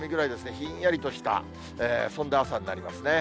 ひんやりとした、そんな朝になりますね。